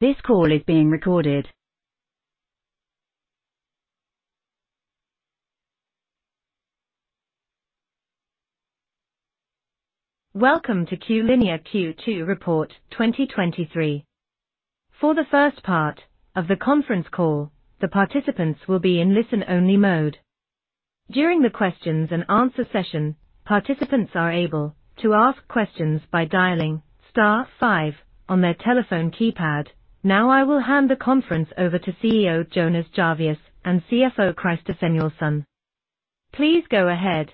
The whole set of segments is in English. This call is being recorded. Welcome to Q-linea Q2 report 2023. For the first part of the conference call, the participants will be in listen-only mode. During the questions and answer session, participants are able to ask questions by dialing star five on their telephone keypad. I will hand the conference over to CEO, Jonas Jarvius, and CFO, Christer Samuelsson. Please go ahead.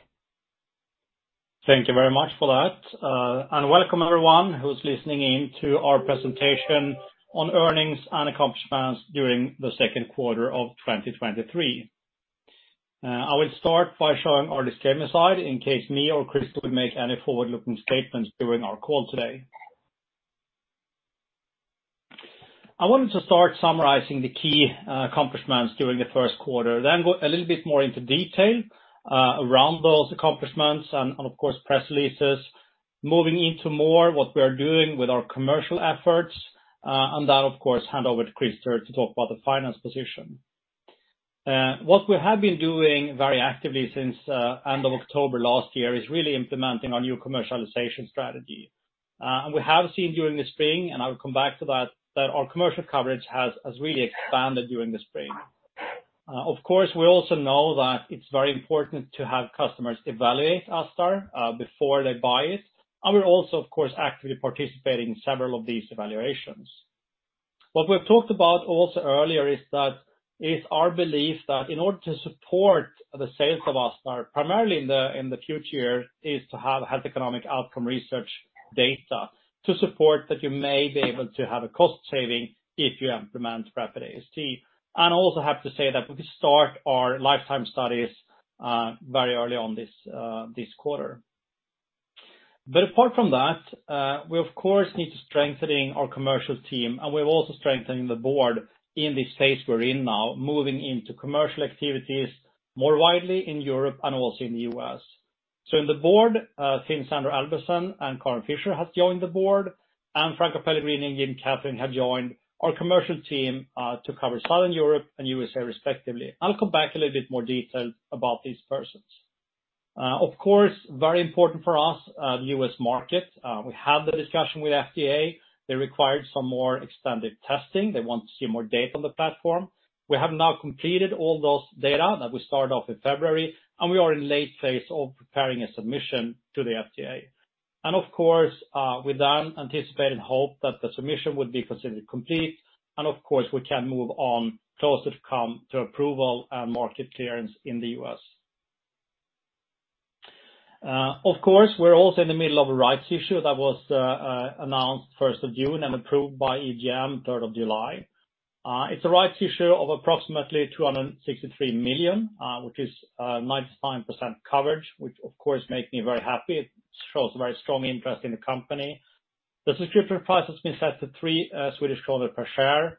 Thank you very much for that. Welcome everyone who's listening in to our presentation on earnings and accomplishments during the second quarter of 2023. I will start by showing our disclaimer slide in case me or Christer would make any forward-looking statements during our call today. I wanted to start summarizing the key accomplishments during the first quarter, then go a little bit more into detail around those accomplishments and, of course, press releases, moving into more what we are doing with our commercial efforts. Then, of course, hand over to Christer to talk about the finance position. What we have been doing very actively since end of October last year, is really implementing our new commercialization strategy. We have seen during the spring, and I will come back to that our commercial coverage has really expanded during the spring. Of course, we also know that it's very important to have customers evaluate ASTar before they buy it, and we're also, of course, actively participating in several of these evaluations. What we've talked about also earlier is that it's our belief that in order to support the sales of ASTar, primarily in the, in the future, is to have health economic outcome research data to support that you may be able to have a cost saving if you implement Rapid AST. Also have to say that we start our lifetime studies very early on this quarter. Apart from that, we, of course, need to strengthening our commercial team, and we're also strengthening the board in this phase we're in now, moving into commercial activities more widely in Europe and also in the U.S. In the board, Finn Sander Albrechtsen and Karin Fischer has joined the board, and Franco Pellegrini and Jim Kathrein have joined our commercial team, to cover Southern Europe and USA, respectively. I'll come back a little bit more detail about these persons. Of course, very important for us, the U.S. market. We have the discussion with FDA. They required some more extended testing. They want to see more data on the platform. We have now completed all those data that we started off in February, and we are in late phase of preparing a submission to the FDA. Of course, we then anticipate and hope that the submission would be considered complete, and of course, we can move on closer to come to approval and market clearance in the U.S. Of course, we're also in the middle of a rights issue that was announced 1st of June and approved by EGM, 3rd of July. It's a rights issue of approximately 263 million, which is 99% coverage, which of course, make me very happy. It shows very strong interest in the company. The subscription price has been set to 3 Swedish kronor per share.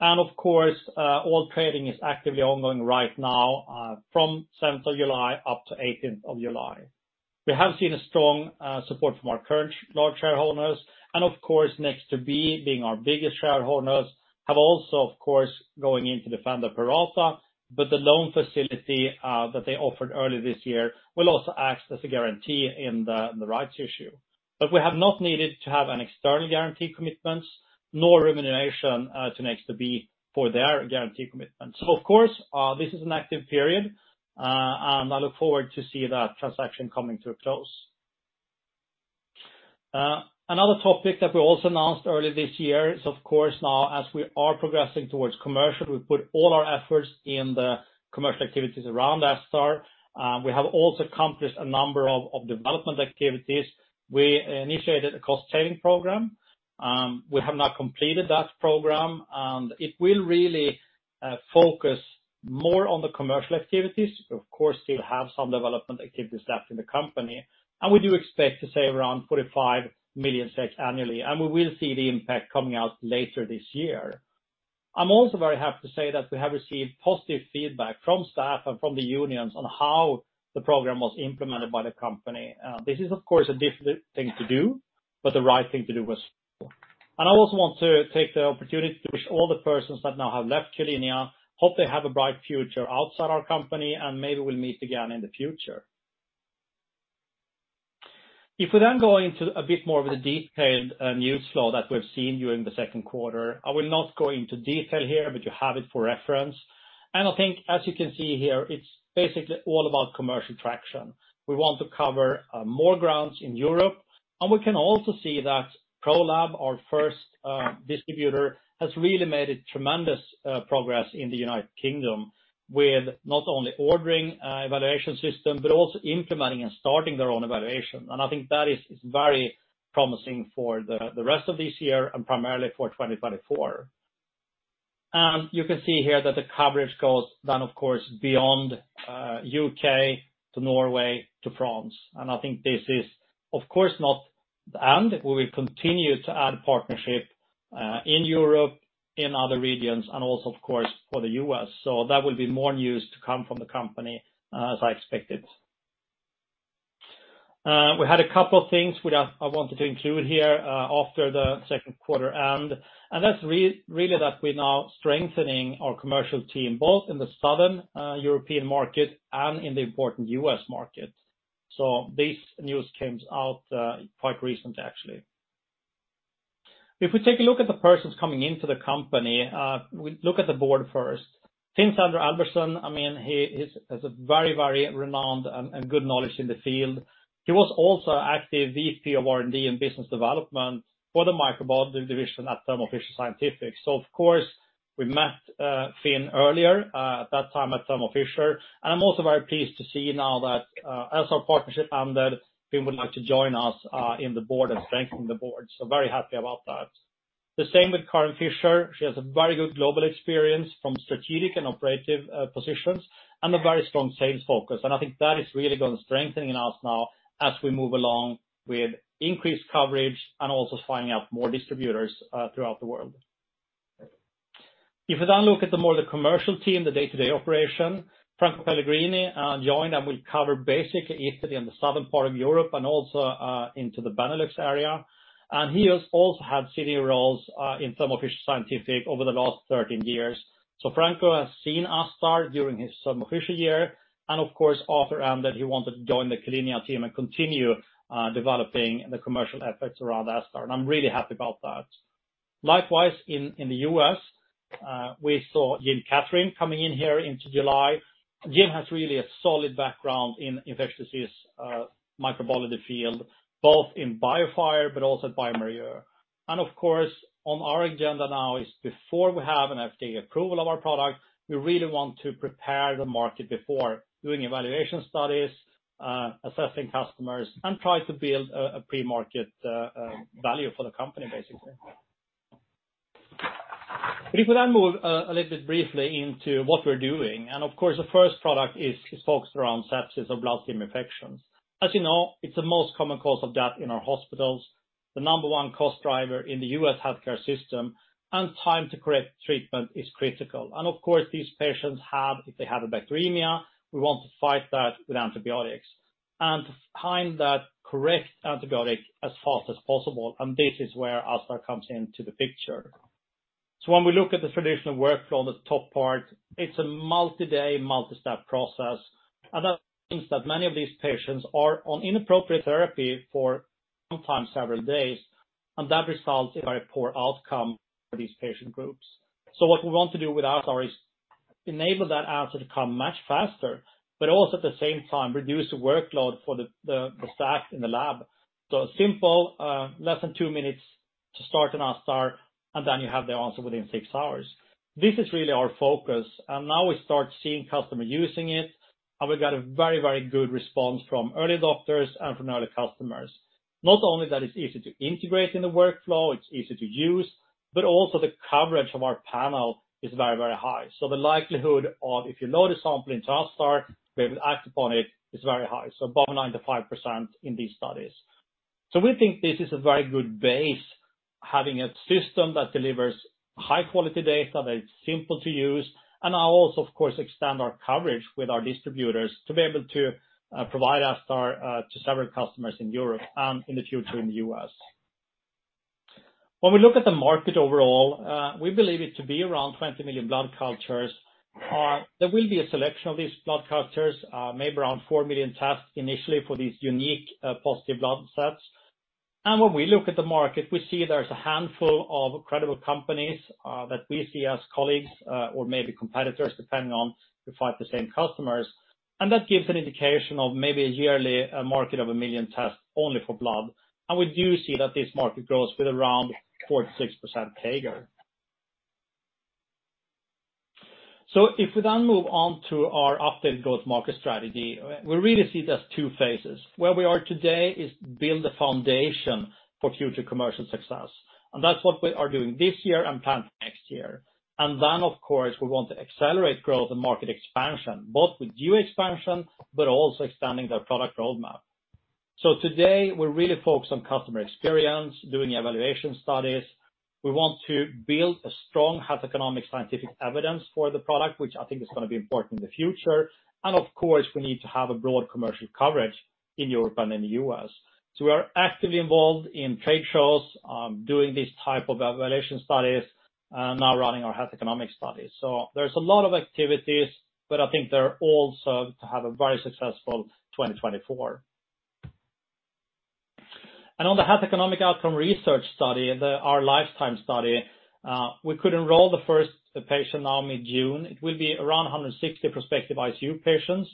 Of course, all trading is actively ongoing right now, from 7th of July up to 18th of July. We have seen a strong support from our current large shareholders, and of course, Nexttobe, being our biggest shareholders, have also, of course, going in to defend the pro rata, but the loan facility that they offered earlier this year will also act as a guarantee in the rights issue. We have not needed to have an external guarantee commitments, nor remuneration to Nexttobe for their guarantee commitment. Of course, this is an active period, and I look forward to see that transaction coming to a close. Another topic that we also announced earlier this year is, of course, now as we are progressing towards commercial, we put all our efforts in the commercial activities around ASTar. We have also accomplished a number of development activities. We initiated a cost-saving program. We have now completed that program, it will really focus more on the commercial activities. Of course, still have some development activities left in the company, we do expect to save around 45 million SEK annually, we will see the impact coming out later this year. I'm also very happy to say that we have received positive feedback from staff and from the unions on how the program was implemented by the company. This is, of course, a difficult thing to do, but the right thing to do was. I also want to take the opportunity to wish all the persons that now have left Q-linea, hope they have a bright future outside our company, and maybe we'll meet again in the future. If we then go into a bit more of the detailed news flow that we've seen during the second quarter, I will not go into detail here, but you have it for reference. I think, as you can see here, it's basically all about commercial traction. We want to cover more grounds in Europe, and we can also see that Prolab, our first distributor, has really made a tremendous progress in the United Kingdom, with not only ordering a evaluation system, but also implementing and starting their own evaluation. I think that is very promising for the rest of this year and primarily for 2024. You can see here that the coverage goes down, of course, beyond UK to Norway to France. I think this is, of course not, and we will continue to add partnership in Europe, in other regions, and also, of course, for the U.S. That will be more news to come from the company as I expected. We had a couple of things which I wanted to include here after the second quarter, and that's really that we're now strengthening our commercial team, both in the southern European market and in the important US market. This news came out quite recent, actually. If we take a look at the persons coming into the company, we look at the board first. Finn Sander Albrechtsen, I mean, he has a very renowned and good knowledge in the field. He was also active VP of R&D and business development for the microbiology division at Thermo Fisher Scientific. Of course, we met Finn earlier at that time at Thermo Fisher, and I'm also very pleased to see now that as our partnership ended, Finn would like to join us in the board and strengthen the board. Very happy about that. The same with Karin Fischer. She has a very good global experience from strategic and operative positions, and a very strong sales focus, and I think that is really gonna strengthening us now as we move along with increased coverage and also finding out more distributors throughout the world. If we look at the more the commercial team, the day-to-day operation, Franco Pellegrini joined, and will cover basic Italy and the southern part of Europe and also into the Benelux area. He has also had senior roles in Thermo Fisher Scientific over the last 13 years. Franco has seen ASTar during his Thermo Fisher year, and of course, after that, he wanted to join the Q-linea team and continue developing the commercial efforts around ASTar. I'm really happy about that. Likewise, in the U.S., we saw Jim Kathrein coming in here into July. Jim has really a solid background in infectious disease, microbiology field, both in BioFire but also bioMérieux. Of course, on our agenda now is before we have an FDA approval of our product, we really want to prepare the market before doing evaluation studies, assessing customers, and try to build a pre-market value for the company, basically. We then move a little bit briefly into what we're doing, and of course, the first product is focused around sepsis or bloodstream infections. As you know, it's the most common cause of death in our hospitals, the number 1 cost driver in the U.S. healthcare system, and time to correct treatment is critical. Of course, these patients have, if they have a bacteremia, we want to fight that with antibiotics, and to find that correct antibiotic as fast as possible, and this is where ASTar comes into the picture. When we look at the traditional workflow, on the top part, it's a multi-day, multi-step process, and that means that many of these patients are on inappropriate therapy for sometimes several days, and that results in very poor outcome for these patient groups. What we want to do with ASTar is enable that answer to come much faster, but also at the same time, reduce the workload for the staff in the lab. Simple, less than 2 minutes to start in ASTar, and then you have the answer within 6 hours. This is really our focus, and now we start seeing customer using it, and we got a very, very good response from early doctors and from early customers. Not only that it's easy to integrate in the workflow, it's easy to use, but also the coverage of our panel is very, very high. The likelihood of if you load a sample into ASTar, we will act upon it, is very high, above 95% in these studies. We think this is a very good base, having a system that delivers high quality data, that it's simple to use, and now also, of course, extend our coverage with our distributors to be able to provide ASTar to several customers in Europe and in the future in the U.S. We look at the market overall, we believe it to be around 20 million blood cultures. There will be a selection of these blood cultures, maybe around 4 million tests initially for these unique, positive blood sets. When we look at the market, we see there's a handful of credible companies, that we see as colleagues, or maybe competitors, depending on if we find the same customers. That gives an indication of maybe a yearly market of 1 million tests only for blood. We do see that this market grows with around 4%-6% CAGR. If we then move on to our updated growth market strategy, we really see it as 2 phases. Where we are today is build a foundation for future commercial success, and that's what we are doing this year and plan next year. Then, of course, we want to accelerate growth and market expansion, both with new expansion, but also expanding their product roadmap. Today, we're really focused on customer experience, doing evaluation studies. We want to build a strong health economic scientific evidence for the product, which I think is gonna be important in the future. Of course, we need to have a broad commercial coverage in Europe and in the U.S. We are actively involved in trade shows, doing this type of evaluation studies, and now running our health economic studies. There's a lot of activities, but I think they're all served to have a very successful 2024. On the health economics and outcomes research study, our lifetime study, we could enroll the first patient now in mid-June. It will be around 160 prospective ICU patients,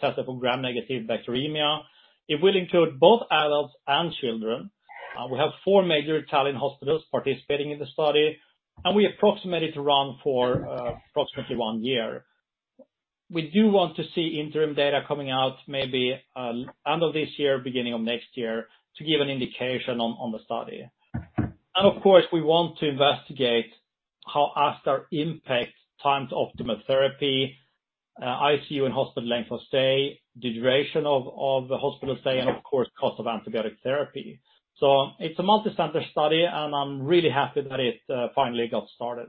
tested for gram-negative bacteremia. It will include both adults and children. We have four major Italian hospitals participating in the study, and we approximate it to run for approximately one year. We do want to see interim data coming out maybe end of this year, beginning of next year, to give an indication on the study. Of course, we want to investigate how ASTar impact times optimum therapy, ICU and hospital length of stay, the duration of the hospital stay, and of course, cost of antibiotic therapy. It's a multicenter study, and I'm really happy that it finally got started.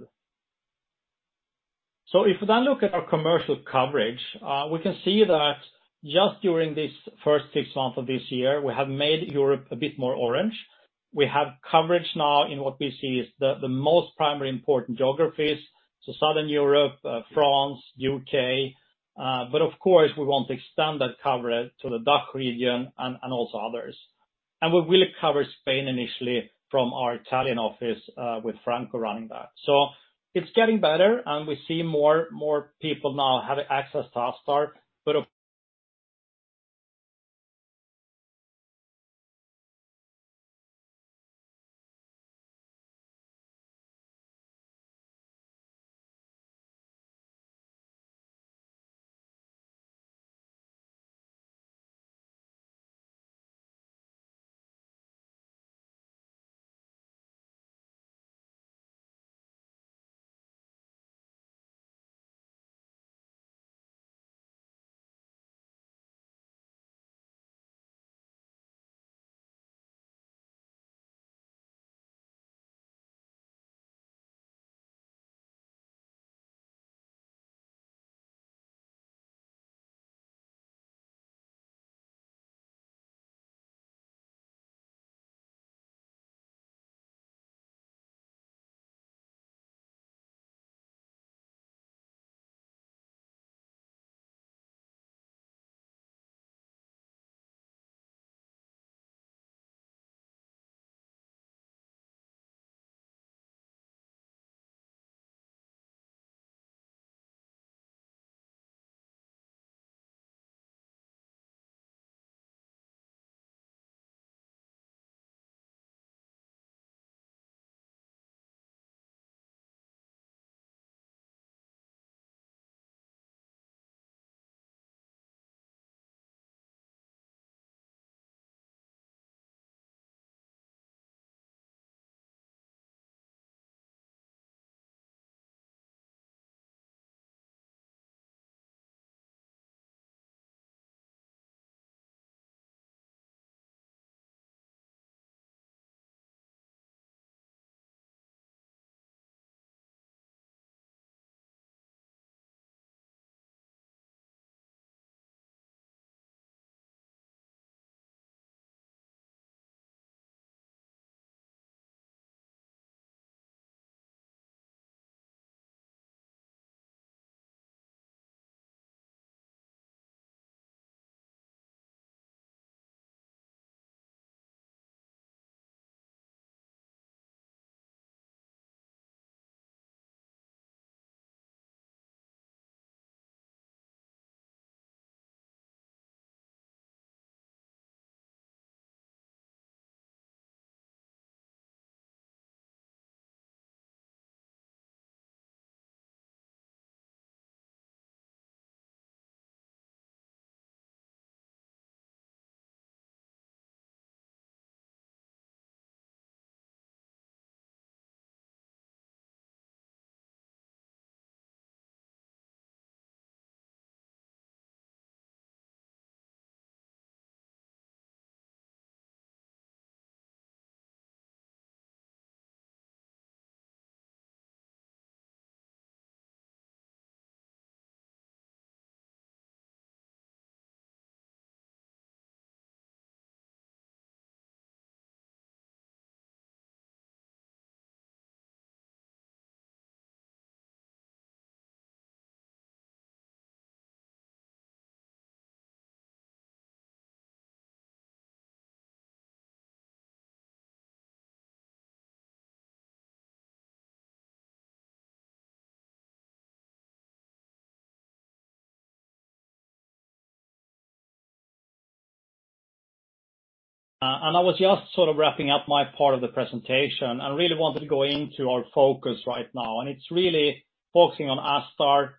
I was just sort of wrapping up my part of the presentation, really wanted to go into our focus right now, it's really focusing on ASTar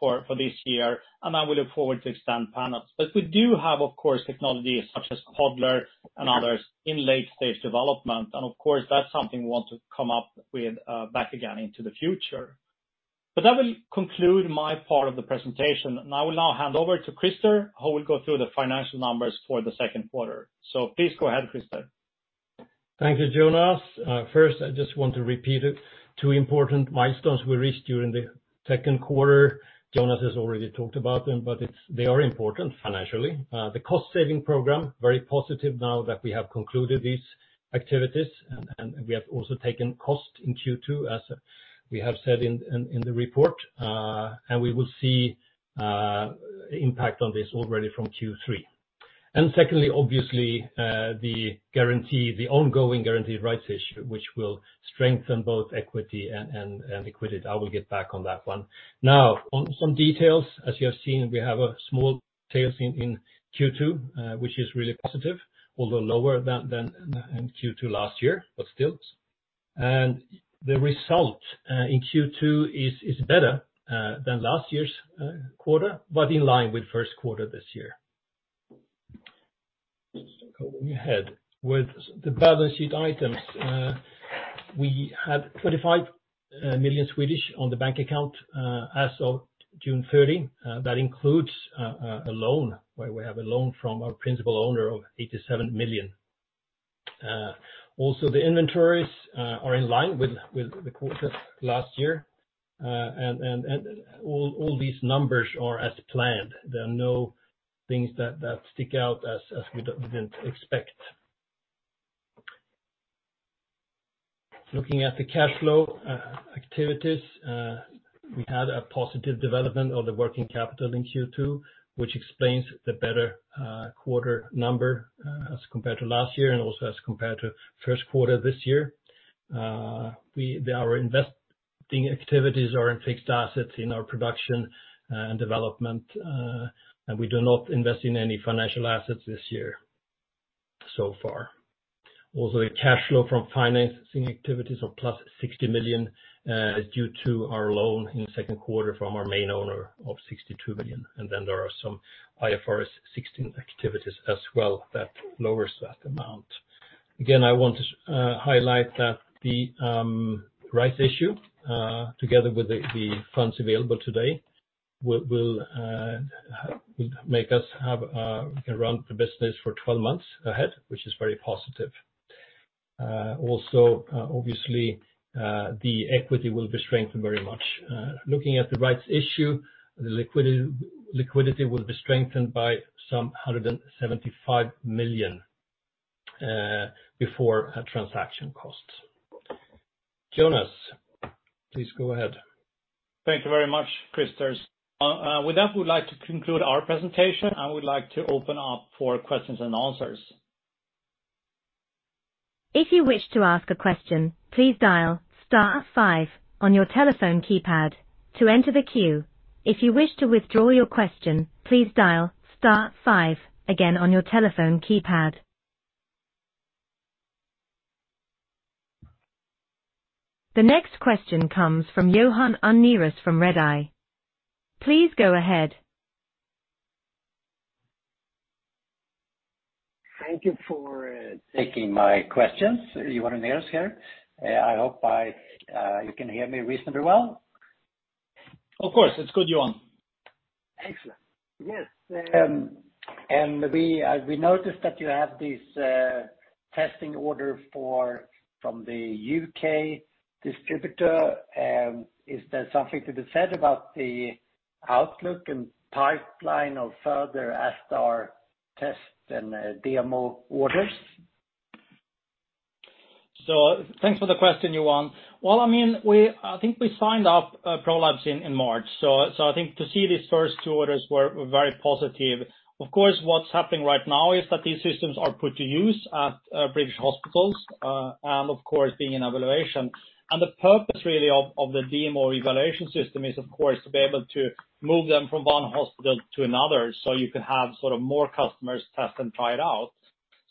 for this year, I will look forward to extend panels. We do have, of course, technologies such as Podler and others in late stage development, and of course, that's something we want to come up with back again into the future. That will conclude my part of the presentation, and I will now hand over to Christer, who will go through the financial numbers for the second quarter. Please go ahead, Christer. Thank you, Jonas. First, I just want to repeat it, two important milestones we reached during the second quarter. Jonas has already talked about them, but they are important financially. The cost saving program, very positive now that we have concluded these activities, and we have also taken cost in Q2, as we have said in the report, and we will see impact on this already from Q3. Secondly, obviously, the ongoing guaranteed rights issue, which will strengthen both equity and liquidity. I will get back on that one. Now, on some details, as you have seen, we have a small tailspin in Q2, which is really positive, although lower than in Q2 last year, but still. The result in Q2 is better than last year's quarter, but in line with first quarter this year. Going ahead with the balance sheet items, we had 25 million on the bank account as of June 30. That includes a loan, where we have a loan from our principal owner of 87 million. Also the inventories are in line with the quarter last year. All these numbers are as planned. There are no things that stick out as we didn't expect. Looking at the cash flow activities, we had a positive development of the working capital in Q2, which explains the better quarter number as compared to last year and also as compared to first quarter this year. Our investing activities are in fixed assets in our production and development, we do not invest in any financial assets this year, so far. A cash flow from financing activities of plus 60 million is due to our loan in the second quarter from our main owner of 62 million, there are some IFRS 16 activities as well that lowers that amount. Again, I want to highlight that the rights issue, together with the funds available today, will make us have run the business for 12 months ahead, which is very positive. Also, obviously, the equity will be strengthened very much. Looking at the rights issue, the liquidity will be strengthened by some 175 million before transaction costs. Jonas, please go ahead. Thank you very much, Christer's. With that, we'd like to conclude our presentation. We'd like to open up for questions and answers. If you wish to ask a question, please dial star five on your telephone keypad to enter the queue. If you wish to withdraw your question, please dial star five again on your telephone keypad. The next question comes from Johan Unnérus from Redeye. Please go ahead. Thank you for taking my questions. Johan Unnérus here. I hope I, you can hear me reasonably well. Of course, it's good, Johan Unnérus. Excellent. Yes, and we noticed that you have this testing order from the U.K. distributor. Is there something to be said about the outlook and pipeline of further ASTar tests and demo orders? Thanks for the question, Johan. Well, I mean, I think we signed up Prolabs in March, so I think to see these first 2 orders were very positive. Of course, what's happening right now is that these systems are put to use at British hospitals, and of course, being an evaluation. The purpose, really, of the demo evaluation system is, of course, to be able to move them from 1 hospital to another, so you can have sort of more customers test and try it out.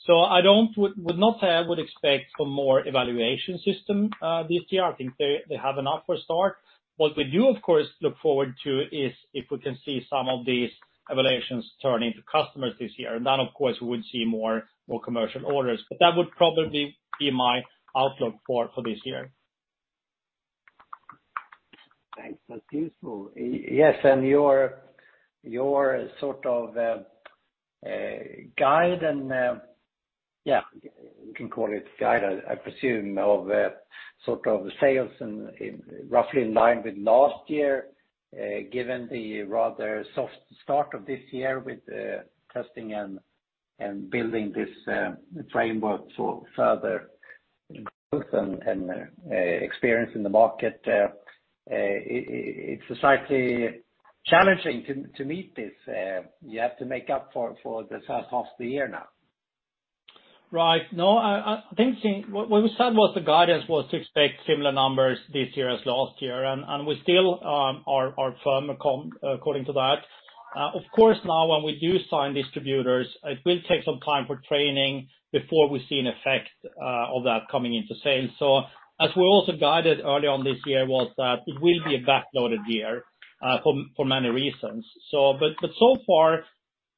I would not say I would expect for more evaluation system this year. I think they have enough for a start. What we do, of course, look forward to is if we can see some of these evaluations turn into customers this year. Then, of course, we would see more commercial orders. That would probably be my outlook for this year. Thanks, that's useful. Your sort of, guide and, yeah, you can call it guide, I presume, of, sort of sales and roughly in line with last year, given the rather soft start of this year with, testing and building this framework for further growth and experience in the market. It's slightly challenging to meet this. You have to make up for the first half of the year now. Right. No, I think what we said was the guidance was to expect similar numbers this year as last year, and we still are firm according to that. Of course, now, when we do sign distributors, it will take some time for training before we see an effect of that coming into sales. As we also guided early on this year, was that it will be a backloaded year for many reasons. But so far,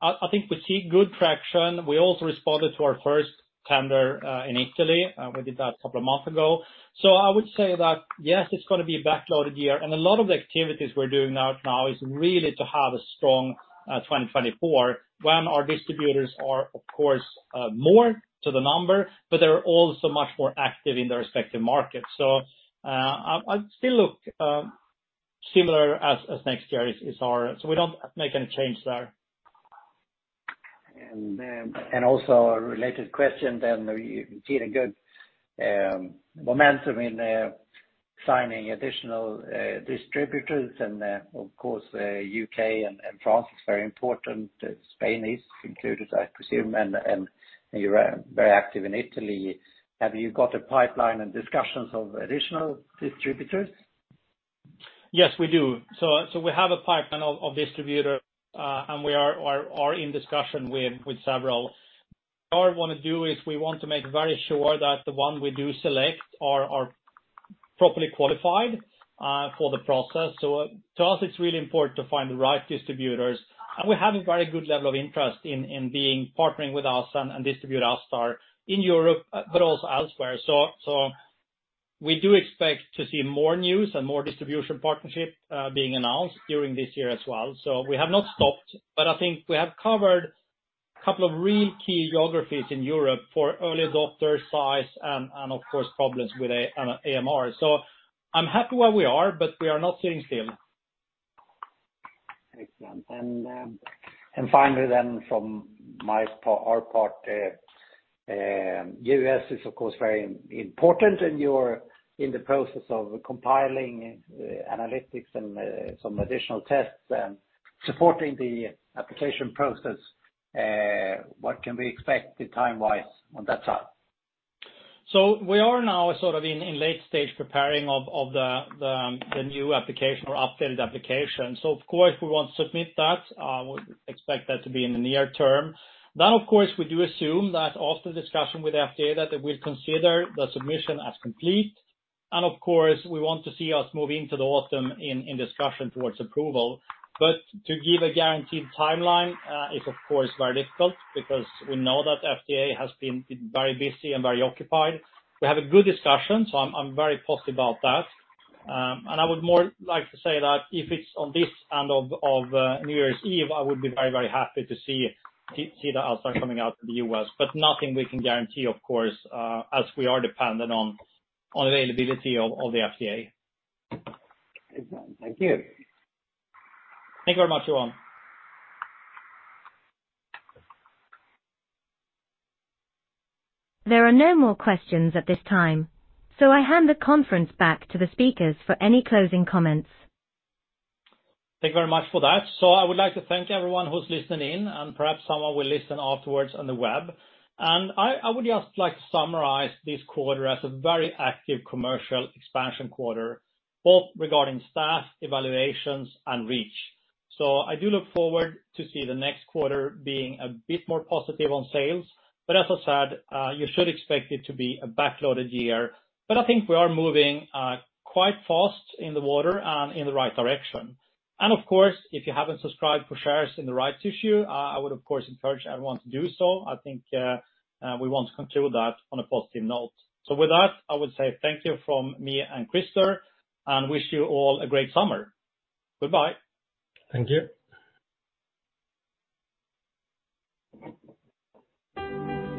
I think we see good traction. We also responded to our first tender in Italy. We did that a couple of months ago. I would say that, yes, it's gonna be a backloaded year. A lot of the activities we're doing now, is really to have a strong 2024, when our distributors are, of course, more to the number, but they're also much more active in their respective markets. I still look, similar as next year is our... We don't make any change there. Also a related question, then you see the good momentum in signing additional distributors and of course, U.K. and France is very important. Spain is included, I presume, and you're very active in Italy. Have you got a pipeline and discussions of additional distributors? Yes, we do. We have a pipeline of distributors, and we are in discussion with several. What we want to do is we want to make very sure that the one we do select are properly qualified for the process. To us, it's really important to find the right distributors, and we have a very good level of interest in being partnering with us and distribute ASTar in Europe, but also elsewhere. We do expect to see more news and more distribution partnership being announced during this year as well. We have not stopped, but I think we have covered a couple of real key geographies in Europe for early adopter size and, of course, problems with A, AMR. I'm happy where we are, but we are not sitting still. Excellent. Finally then from my part, our part, U.S. is, of course, very important, and you're in the process of compiling analytics and, some additional tests and supporting the application process. What can we expect time-wise on that side? We are now sort of in late stage preparing of the, the new application or updated application. Of course, we want to submit that. We expect that to be in the near term. Of course, we do assume that after discussion with FDA, that they will consider the submission as complete. Of course, we want to see us move into the autumn in discussion towards approval. To give a guaranteed timeline, is, of course, very difficult because we know that FDA has been very busy and very occupied. We have a good discussion, so I'm very positive about that. I would more like to say that if it's on this end of, New Year's Eve, I would be very, very happy to see, to see the answer coming out in the U.S. Nothing we can guarantee, of course, as we are dependent on availability of the FDA. Excellent. Thank you. Thank you very much, everyone. There are no more questions at this time, so I hand the conference back to the speakers for any closing comments. Thank you very much for that. I would like to thank everyone who's listening in, and perhaps someone will listen afterwards on the web. I would just like to summarize this quarter as a very active commercial expansion quarter, both regarding staff, evaluations, and reach. I do look forward to see the next quarter being a bit more positive on sales. As I said, you should expect it to be a backloaded year. I think we are moving quite fast in the water and in the right direction. Of course, if you haven't subscribed for shares in the rights issue, I would, of course, encourage everyone to do so. I think we want to conclude that on a positive note. With that, I would say thank you from me and Christer, and wish you all a great summer. Goodbye. Thank you.